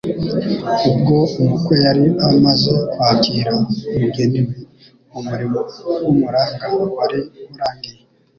Ubwo umukwe yari amaze kwakira umugeni we, umurimo w’umuranga wari urangiye.